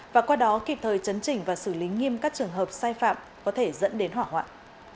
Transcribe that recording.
và qua đó kịp thời chấn chỉnh và xử lý nghiêm các trường hợp sai phạm có thể dẫn đến hỏa hoạn